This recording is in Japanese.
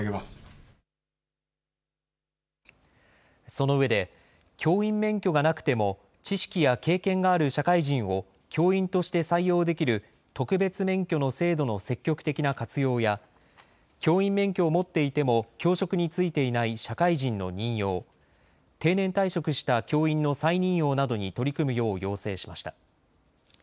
そのうえで教員免許がなくても知識や経験がある社会人を教員として採用できる特別免許の制度の積極的な活用や教員免許を持っていても教職に就いていない社会人の任用、定年退職した教員の再任用などに取り組むよう要請しました。